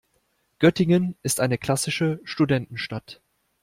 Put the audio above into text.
Göttingen ist eine klassische Studentenstadt.